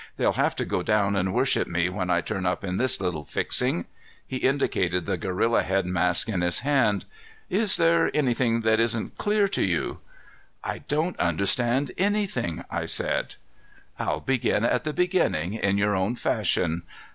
"They'll have to go down and worship me when I turn up in this little fixing." He indicated the gorilla head mask in his hand. "Is there anything that isn't clear to you?" "I don't understand anything," I said. "I'll begin at the beginning, in your own fashion.